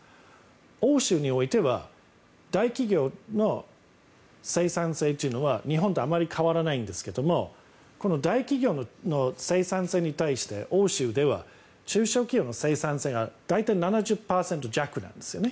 欧州においては大企業の生産性というのは日本とあまり変わらないんですがこの大企業の生産性に対して欧州では中小企業の生産性が大体７０％弱なんですよね。